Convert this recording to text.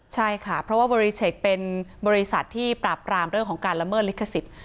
ใช่ค่ะเพราะว่าบอริเชคเป็นบริษัทที่ปราบปรามเรื่องของการละเมิดลิขสิทธิ์